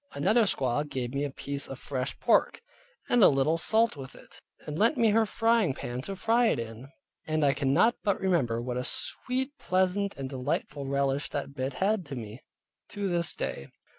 Another squaw gave me a piece of fresh pork, and a little salt with it, and lent me her pan to fry it in; and I cannot but remember what a sweet, pleasant and delightful relish that bit had to me, to this day.